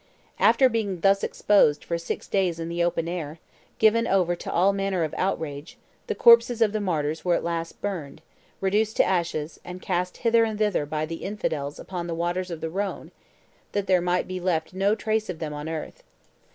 After being thus exposed for six days in the open air, given over to all manner of outrage, the corpses of the martyrs were at last burned, reduced to ashes, and cast hither and thither by the infidels upon the waters of the Rhone, that there might be left no trace of them on earth.